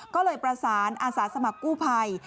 ก็เลยประสานอาสาสมัครกู้ภัย